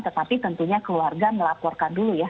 tetapi tentunya keluarga melaporkan dulu ya